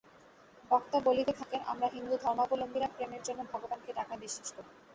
বক্তা বলিতে থাকেন আমরা হিন্দুধর্মাবলম্বীরা প্রেমের জন্য ভগবানকে ডাকায় বিশ্বাস করি।